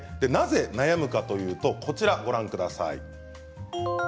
なぜ悩むかというとこちらをご覧ください。